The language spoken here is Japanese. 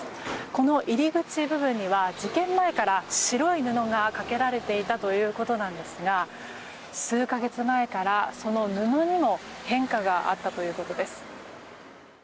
この入り口部分には事件前から白い布がかけられていたということなんですが数か月前から、その布にも変化があったということです。